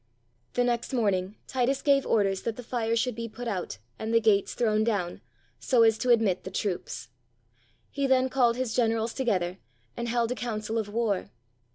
The next morning Titus gave orders that the fire should be put out and the gates thrown down, so as to admit the troops. He then called his generals together and held a council of war.